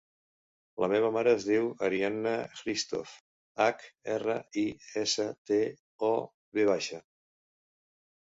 La meva mare es diu Arianna Hristov: hac, erra, i, essa, te, o, ve baixa.